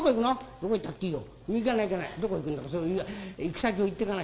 「どこ行ったっていいよ。